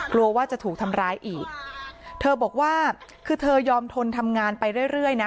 กลัวว่าจะถูกทำร้ายอีกเธอบอกว่าคือเธอยอมทนทำงานไปเรื่อยเรื่อยนะ